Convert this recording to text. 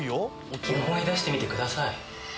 思い出してみてください。